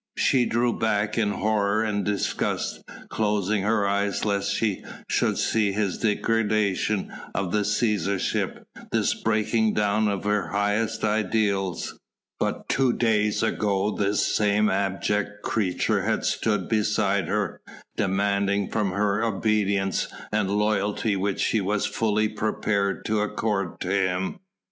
She drew back in horror and disgust, closing her eyes lest she should see this degradation of the Cæsarship, this breaking down of her highest ideals. But two days ago this same abject creature had stood beside her, demanding from her obedience and loyalty which she was fully prepared to accord to him.